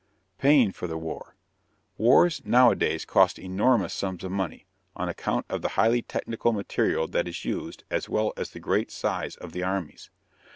PAYING FOR THE WAR. Wars nowadays cost enormous sums of money, on account of the highly technical material that is used as well as the great size of the armies.